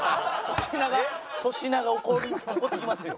粗品が怒ってきますよ。